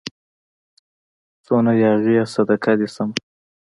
څونه ياغي يې صدقه دي سمه